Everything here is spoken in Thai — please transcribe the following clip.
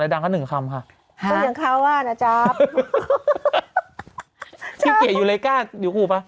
อะไรดังก็๑คำค่ะต้องยังคาว่านะจ๊ะพี่เกดยูเลก้าอยู่ครูป่ะ